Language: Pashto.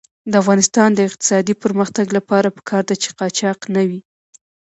د افغانستان د اقتصادي پرمختګ لپاره پکار ده چې قاچاق نه وي.